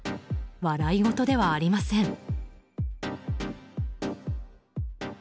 笑いごとではありません。